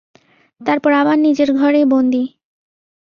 তারপর আবার নিজের ঘরেই বন্দি।